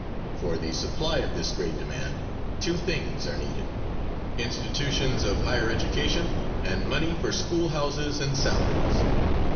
For the supply of this great demand two things are needed institutions of higher education and money for school houses and salaries.